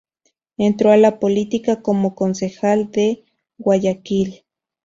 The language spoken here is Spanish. Entró a la política como concejal de Guayaquil.